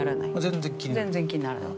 全然気にならない。